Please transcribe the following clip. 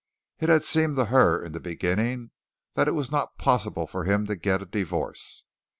It had seemed to her in the beginning that it was not possible for him to get a divorce.